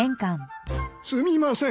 すみません。